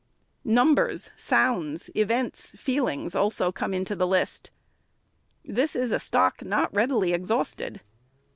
Numbers, sounds, events, feelings, also come into the list. This is a stock not readily exhausted.